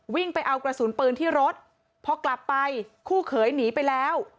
วิ่งไปเอากระสุนปืนที่รถพอกลับไปคู่เขยหนีไปแล้ว